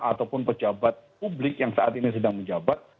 ataupun pejabat publik yang saat ini sedang menjabat